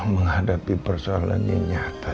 menghadapi persoalan yang nyata